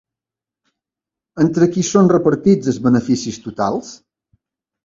Entre qui són repartits els beneficis totals?